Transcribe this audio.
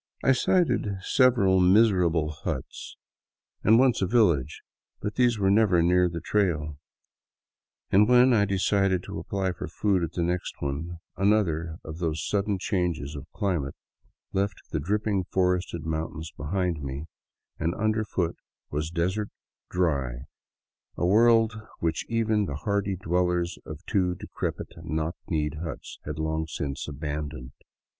I sighted several miserable huts, 213 VAGABONDING DOWN THE ANDES and once a village, but these were never near the trail; and when I decided to apply for food at the next one, another of those sudden changes of climate left the dripping forested mountains behind me, and underfoot was a desert dry world which even the hardy dwellers of two decrepit knock kneed huts had long since abandoned.